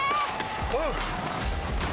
おう！